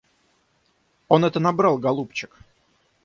Он это набрал, голубчик!